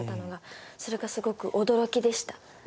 それがすごく驚きでした。